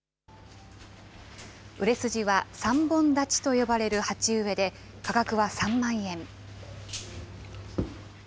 売れ筋は３本立ちと呼ばれる鉢植えで、価格は３万円。